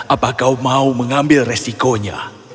apa kau mau mengambil resikonya